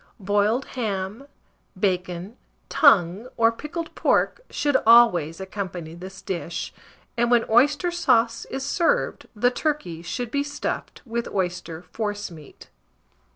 Boiled ham, bacon, tongue, or pickled pork, should always accompany this dish; and when oyster sauce is served, the turkey should be stuffed with oyster forcemeat.